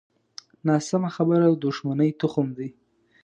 ناسمه خبره د دوښمنۍ تخم دی